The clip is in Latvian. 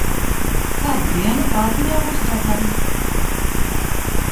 Kādu dienu kārbiņā būs gredzens.